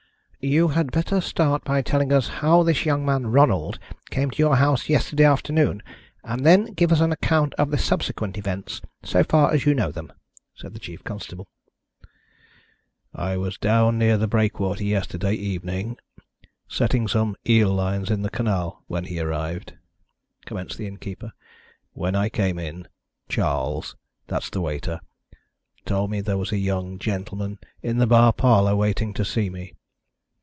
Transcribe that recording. "You had better start by telling us how this young man Ronald came to your house yesterday afternoon, and then give us an account of the subsequent events, so far as you know them," said the chief constable. "I was down near the breakwater yesterday evening, setting some eel lines in the canal, when he arrived," commenced the innkeeper. "When I came in, Charles that's the waiter told me there was a young gentleman in the bar parlour waiting to see me.